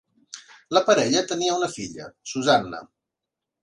La parella tenia una filla, Susanna.